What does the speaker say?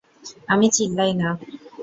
আমি চিল্লাই না!